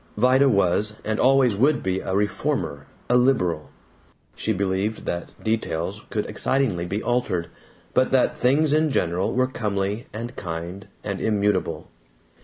Vida was, and always would be, a reformer, a liberal. She believed that details could excitingly be altered, but that things in general were comely and kind and immutable.